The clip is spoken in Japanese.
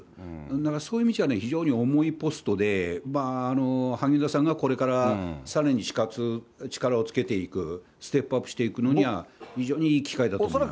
だからそういう意味じゃね、非常に重いポストで、萩生田さんがこれからさらに力をつけていく、ステップアップしていくのには、非常にいい機会だと思います。